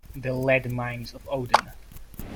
The lead mines of Odin.